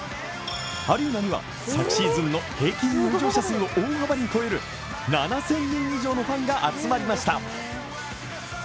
アリーナには昨シーズンの平均入場者数を大幅に超える、７０００人以上のファンが集まりました。